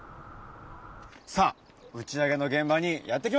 さあ打ち上げの現場にやって来ました！